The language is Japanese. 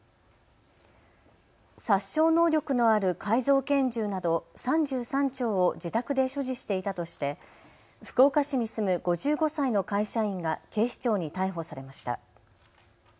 殺傷能力のある改造拳銃など３３丁を自宅で所持していたとして福岡市に住む５５歳の会社員が警視庁に逮捕されました。